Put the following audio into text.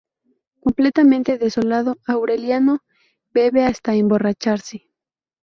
Completamente desolado, Aureliano bebe hasta emborracharse.